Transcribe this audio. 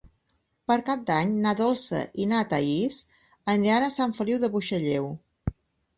Per Cap d'Any na Dolça i na Thaís aniran a Sant Feliu de Buixalleu.